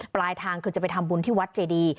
ปลายทางคือจะไปทำบุญที่วัดเจดี